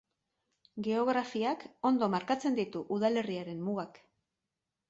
Geografiak ondo markatzen ditu udalerriaren mugak.